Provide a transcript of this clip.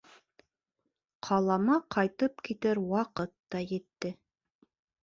...Ҡалама ҡайтып китер ваҡыт та етте.